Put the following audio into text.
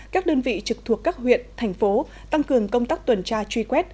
các đơn vị trực thuộc các huyện thành phố tăng cường công tác tuần tra truy quét